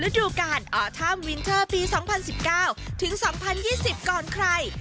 ฤดูการออทัมวินเทอร์๒๐๑๙๒๐๒๐ก่อนใคร